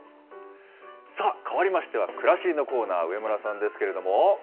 さあ、変わりましては、くらしりのコーナー、上村さんですけれども。